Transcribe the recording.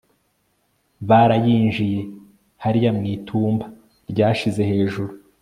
Barayinjiye hariya mu itumba ryashize hejuru